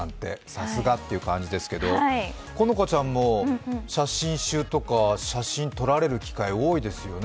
さすがって感じですけど、好花ちゃんも写真集とか写真撮られる機会、多いですよね。